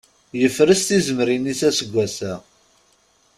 Yefres tizemmrin-is aseggas-a.